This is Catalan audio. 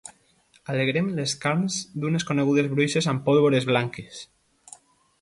Alegrem les carns d'unes conegudes bruixes amb pólvores blanques.